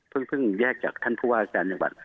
เพิ่งแยกจากท่านผู้ว่าราชการจังหวัด